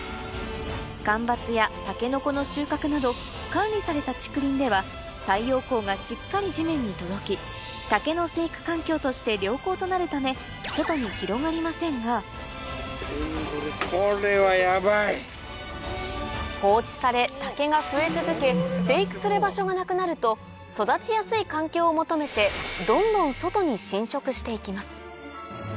間伐やタケノコの収穫など管理された竹林では太陽光がしっかり地面に届き竹の生育環境として良好となるため放置され竹が増え続け育ちやすい環境を求めてどんどん外に侵食していきます